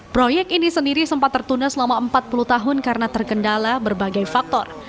proyek ini sendiri sempat tertunda selama empat puluh tahun karena terkendala berbagai faktor